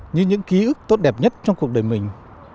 như những ký ức tốt đẹp nhất trong cuộc đời mình